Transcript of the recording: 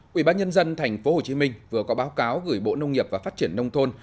quỹ bác nhân dân tp hcm vừa có báo cáo gửi bộ nông nghiệp và phát triển nông thôn